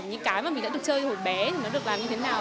những cái mà mình đã được chơi hồi bé thì nó được làm như thế nào